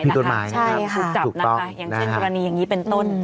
ใช่ค่ะถูกจับนะคะอย่างเช่นกรณีอย่างนี้เป็นต้น